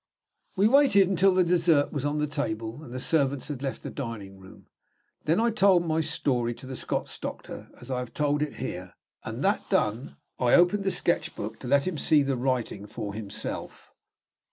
We waited until the dessert was on the table, and the servants had left the dining room. Then I told my story to the Scotch doctor as I have told it here; and, that done, I opened the sketch book to let him see the writing for himself.